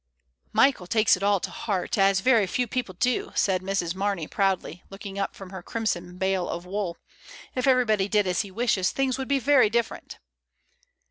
"Michael takes it all to heart, as very few people do," said Mrs. Marney proudly, looking up from her crimson bale of wool. "If everybody did as he wishes, things would be very different."